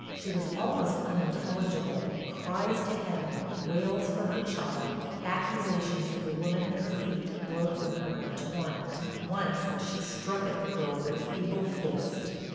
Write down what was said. She was almost unintelligible, cries to heaven, wails for her child, accusations of the woman at her feet broke from her in a torrent. Once she struck at the girl with a feeble fist.